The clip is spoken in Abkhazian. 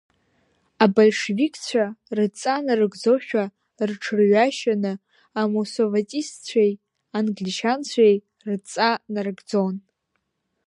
Абольшевикцәа рыдҵа нарыгӡошәа рҽырҩашьаны амуссоватистцәеи англичанцәеи рыдҵа нарыгӡон.